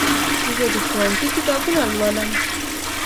زه د ښوونځي کتابونه لولم.